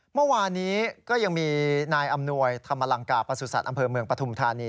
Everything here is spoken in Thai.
เมื่อวานนี้ก็ยังมีนายอำนวยธรรมลังกาประสุทธิ์อำเภอเมืองปฐุมธานี